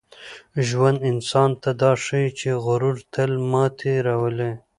ژوند انسان ته دا ښيي چي غرور تل ماتې راولي.